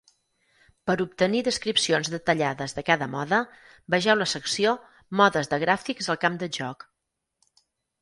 Per obtenir descripcions detallades de cada mode, vegeu la secció "Modes de gràfics al camp de joc".